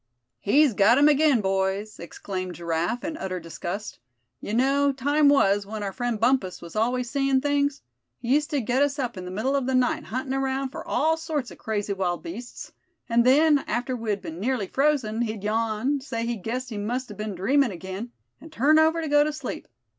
"He's got 'em again, boys!" exclaimed Giraffe, in utter disgust. "You know, time was when our friend Bumpus was always seein' things? He used to get us up in the middle of the night huntin' around for all sorts of crazy wild beasts; and then, after we'd been nearly frozen, he'd yawn, say he guessed he must a been dreamin' again, and turn over to go to sleep.